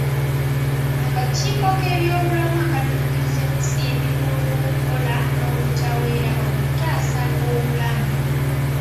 Akakiiko k'ebyobulamu akadduukirize kasiimibwa olw'okkola n'obutaweera okutaasa obulamu.